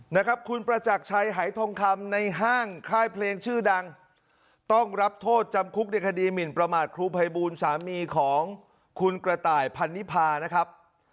นะครับคุณประจักรชัยหายทองคำในห้างค่ายเพลงชื่อดังต้องรับโทษจำคุกในคดีหมินประมาทครูภัยบูลสามีของคุณกระต่ายพันนิพานะครับ